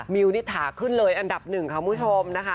มิวนิถาขึ้นเลยอันดับหนึ่งค่ะคุณผู้ชมนะคะ